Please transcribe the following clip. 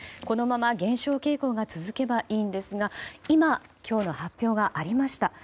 このまま減少傾向が続けばいいんですが今、今日の発表がありました。